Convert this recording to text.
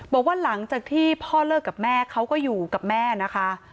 บอกว่าหลังจากที่พ่อเลิกกับแม่เขาก็อยู่กับแม่นะคะ